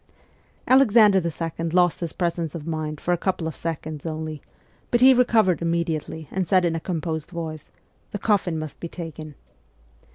Alexander II. lost his presence of mind for a couple of seconds only, but he recovered immediately and said in a composed voice :' The coffin must be taken